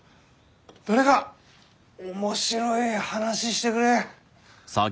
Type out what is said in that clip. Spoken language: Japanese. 誰か面白い話してくれ！